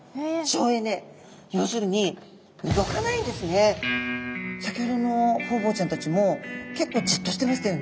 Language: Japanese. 要するに先ほどのホウボウちゃんたちも結構じっとしてましたよね。